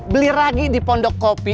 beli ragi di pondok kopi